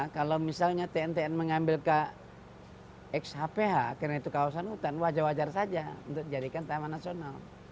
kalau misalnya tn tn mengambil ke x hph karena itu kawasan hutan wajar wajar saja untuk menjadikan taman nasional